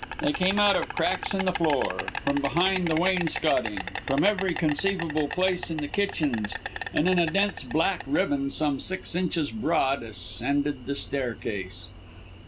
They came out of cracks in the floor, from behind the wainscoting, from every conceivable place in the kitchens, and in a dense black ribbon some six inches broad, ascended the staircase.